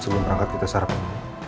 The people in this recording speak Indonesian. sebelum terangkat kita sarapin